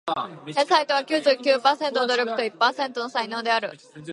天才とは九十九パーセントの努力と一パーセントの才能である